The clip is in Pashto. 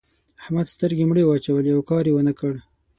احمد سترګې مړې واچولې؛ او کار يې و نه کړ.